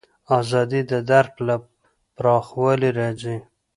ازادي د درک له پراخوالي راځي.